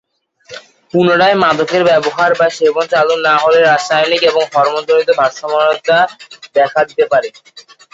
পুনরায় মাদকের ব্যবহার বা সেবন চালু না হলে রাসায়নিক এবং হরমোন জনিত ভারসাম্যহীনতা দেখা দিতে পারে।